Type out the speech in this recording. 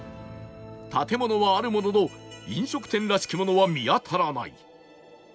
建物はあるものの飲食店らしきものは見当たらない